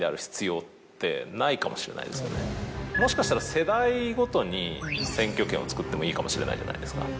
もしかしたら世代ごとに選挙権をつくってもいいかもしれないじゃないですか。